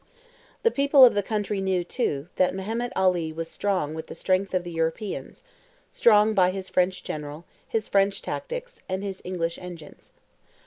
The people of the country knew, too, that Mehemet Ali was strong with the strength of the Europeans—strong by his French general, his French tactics, and his English engines.